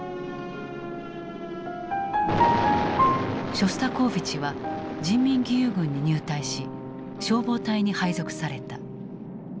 ショスタコーヴィチは人民義勇軍に入隊し消防隊に配属された。